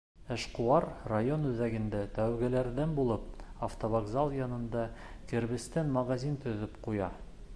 Эшҡыуар район үҙәгендә тәүгеләрҙән булып автовокзал янында кирбестән магазин төҙөп ҡуя.